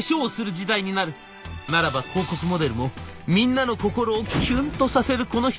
ならば広告モデルもみんなの心をキュンとさせるこの人！